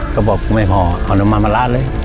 ก็บอกไม่พอเอาน้ำมันมาลาดเลย